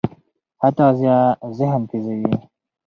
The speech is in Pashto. ښه تغذیه ذهن تېزوي.